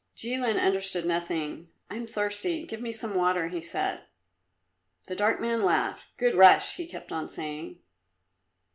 Jilin understood nothing. "I am thirsty; give me some water," he said. The dark man laughed. "Good Russ!" he kept on saying.